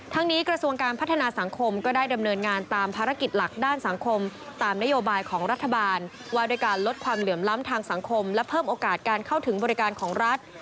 นี้กระทรวงการพัฒนาสังคมก็ได้ดำเนินงานตามภารกิจหลักด้านสังคมตามนโยบายของรัฐบาลว่าด้วยการลดความเหลื่อมล้ำทางสังคมและเพิ่มโอกาสการเข้าถึงบริการของรัฐ